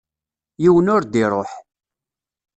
Yiwen ur d-iṛuḥ.